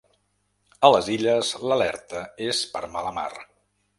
A les Illes, l’alerta és per mala mar.